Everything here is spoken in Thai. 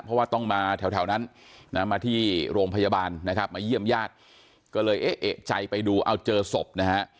เพราะว่าต้องมาแถวนั้นนะมาที่โรงพยาบาลนะครับมาเยี่ยมญาติก็เลยเอ๊ะเอกใจไปดูเอาเจอศพนะฮะ